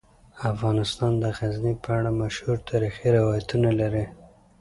افغانستان د غزني په اړه مشهور تاریخی روایتونه لري.